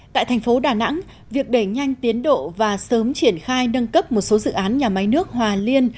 tại thành phố đà nẵng việc đẩy nhanh tiến độ và sớm triển khai nâng cấp một số dự án nhà máy nước hòa liên